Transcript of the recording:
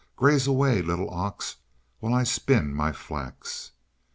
Graze away, little ox, while I spin my flax!"